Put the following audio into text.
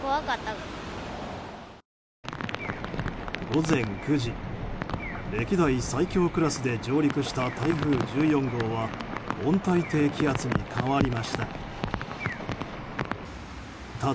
午前９時、歴代最強クラスで上陸した台風１４号は温帯低気圧に変わりました。